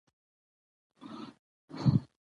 مېلې د ټولنیز یووالي او فرهنګي یووالي انځور يي.